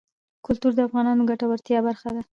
کلتور د افغانانو د ګټورتیا برخه ده.